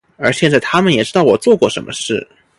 而现在他们也知道我做过什么事。